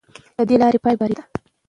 د دې لارې پای بریا ده.